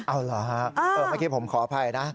เอาล่ะเออเมื่อที่ผมขออภัยนะ